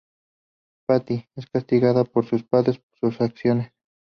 Patti es castigada por sus padres por sus acciones.